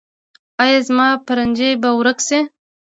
ایا زما پرنجی به ورک شي؟